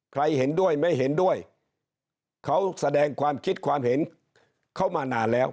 เห็นด้วยไม่เห็นด้วยเขาแสดงความคิดความเห็นเขามานานแล้ว